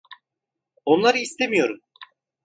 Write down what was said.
Onları istemiyorum.